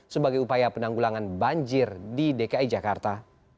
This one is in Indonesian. sebagai upaya penanggulangan banjir di dki jakarta